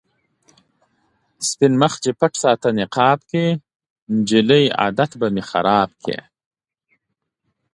سپين مخ دې پټ ساته نقاب کې، جلۍ عادت به مې خراب کړې